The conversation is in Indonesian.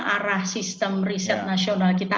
arah sistem riset nasional kita